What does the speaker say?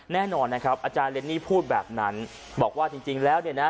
แน่นอนนะครับอาจารย์เรนนี่พูดแบบนั้นบอกว่าจริงแล้วเนี่ยนะ